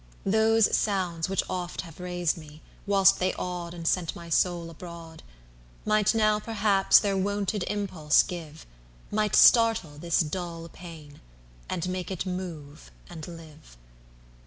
Those sounds which oft have raised me, whilst they awedAnd sent my soul abroad, Might now perhaps their wonted impulse give, Might startle this dull pain, and make it move and live!